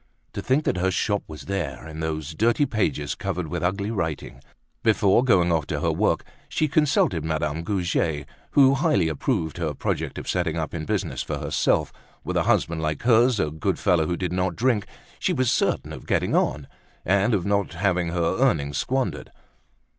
To think that her shop was there, in those dirty pages, covered with ugly writing! Before going off to her work, she consulted Madame Goujet, who highly approved her project of setting up in business for herself; with a husband like hers, a good fellow who did not drink, she was certain of getting on, and of not having her earnings squandered.